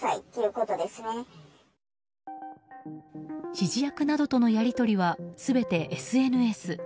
指示役などとのやり取りは全てＳＮＳ。